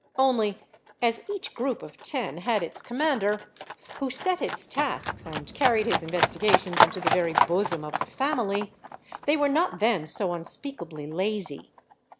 Only, as each group of ten had its commander, who set its tasks and carried his investigations into the very bosom of the family, they 288 DRAWBACKS OF THE TRAIL were not then so unspeakably lazy.